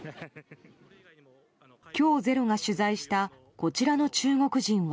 今日「ｚｅｒｏ」が取材したこちらの中国人は。